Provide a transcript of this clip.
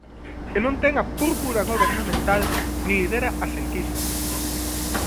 El non ten a púrpura gobernamental nin lidera as enquisas.